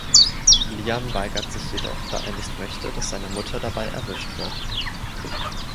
Liam weigert sich jedoch, da er nicht möchte, dass seine Mutter dabei erwischt wird.